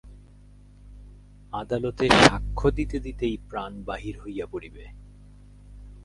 আদালতে সাক্ষ্য দিতে দিতেই প্রাণ বাহির হইয়া পড়িবে।